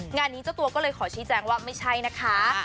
งานนี้เจ้าตัวก็เลยขอชี้แจงว่าไม่ใช่นะคะ